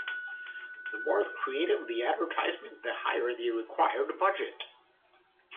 The more creative the advertisement, the higher the required budget.